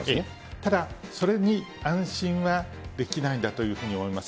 ただ、それに安心はできないんだというふうに思います。